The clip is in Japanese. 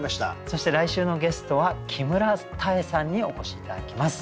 そして来週のゲストは木村多江さんにお越し頂きます